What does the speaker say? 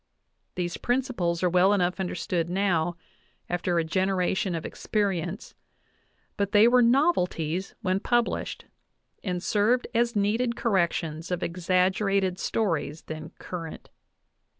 These principles are well enough understood now, after a generation of experience ; but they were novelties when published, and served as needed corrections of exaggerated stories then current.